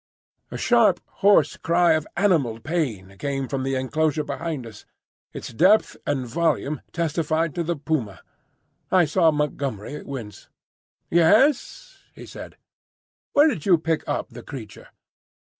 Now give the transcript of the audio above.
A sharp, hoarse cry of animal pain came from the enclosure behind us. Its depth and volume testified to the puma. I saw Montgomery wince. "Yes?" he said. "Where did you pick up the creature?"